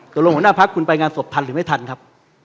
ลงหัวหน้าพักคุณไปงานศพทันหรือไม่ทันครับ